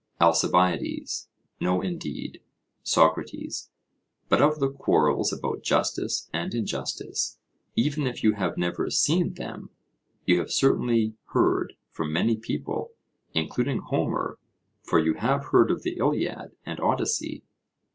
ALCIBIADES: No indeed. SOCRATES: But of the quarrels about justice and injustice, even if you have never seen them, you have certainly heard from many people, including Homer; for you have heard of the Iliad and Odyssey?